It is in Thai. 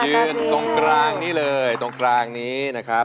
ตรงกลางนี้เลยตรงกลางนี้นะครับ